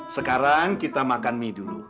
sekarang kita makan mie dulu